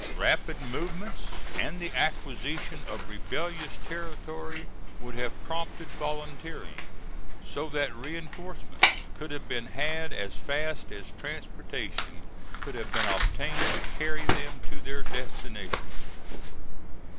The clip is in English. Rapid movements and the acquisition of rebellious territory would have promoted volunteering, so that reinforcements could have been had as fast as transportation could have been obtained to carry them to their destination.